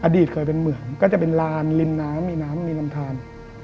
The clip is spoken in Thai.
อดีตเคยเป็นเหมืองก็จะเป็นลานริมน้ำมีน้ำมีลำทาน